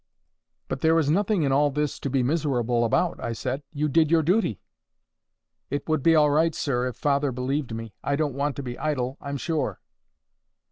"But there is nothing in all this to be miserable about," I said. "You did your duty." "It would be all right, sir, if father believed me. I don't want to be idle, I'm sure."